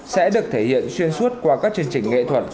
sẽ được thể hiện xuyên suốt qua các chương trình nghệ thuật